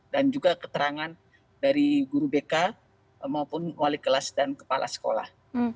dan juga keterangan dari guru bk maupun wali kelas dan kepala sekolah